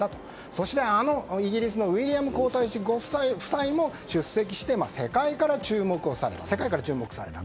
そして、イギリスのウィリアム皇太子ご夫妻も出席して、世界から注目をされた。